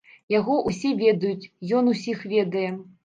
Яго ўсе ведаюць, ён усіх ведае.